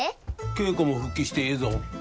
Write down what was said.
稽古も復帰してええぞ。